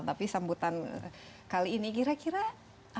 tapi sambutan kali ini kira kira apa respons mereka